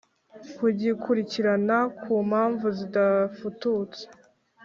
kugikurikirana ku mpamvu zidafututse.